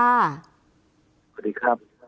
สวัสดีครับ